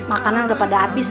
makanan udah pada abis